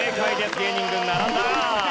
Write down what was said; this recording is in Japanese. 芸人軍並んだ！